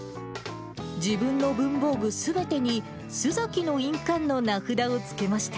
自分の文房具すべてに須崎の印鑑の名札をつけました。